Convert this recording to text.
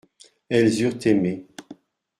Elles eurent aimé.